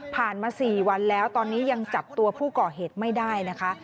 มา๔วันแล้วตอนนี้ยังจับตัวผู้ก่อเหตุไม่ได้นะคะ